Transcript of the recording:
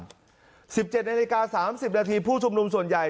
๑๗นาฬิกา๓๐นาทีผู้ชุมนุมส่วนใหญ่